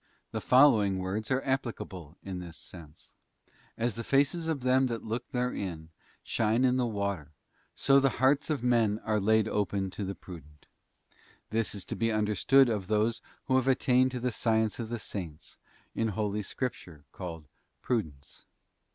The following words are applicable in this sense: 'As the faces of them that look therein, shine in the water, so the hearts of men are laid open to the prudent.'* This is to be understood of those who have attained to the Science of the Saints, in Holy Scripture called Prudence.